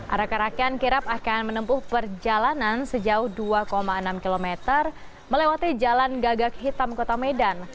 arak arakan kirap akan menempuh perjalanan sejauh dua enam km melewati jalan gagak hitam kota medan